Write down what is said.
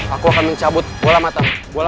aku akan mencabut bola mata